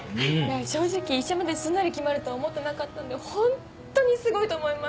正直１社目ですんなり決まるとは思ってなかったんでホントにすごいと思います。